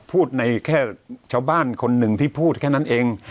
พูดในแค่ชาวบ้านคนหนึ่งที่พูดแค่นั้นเอง